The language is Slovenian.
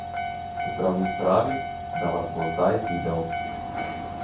Zdravnik pravi, da vas bo zdaj videl.